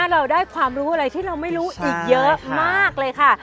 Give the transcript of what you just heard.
เราได้ความรู้อะไรที่เราไม่รู้อีกเยอะมากเลยค่ะ